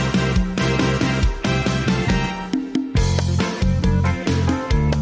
สวัสดีค่ะ